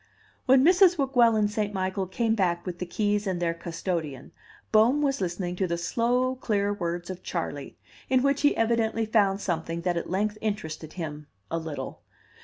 When Mrs. Weguelin St. Michael came back with the keys and their custodian, Bohm was listening to the slow, clear words of Charley, in which he evidently found something that at length interested him a little.